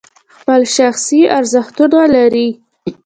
خپل شخصي ارزښتونه لري.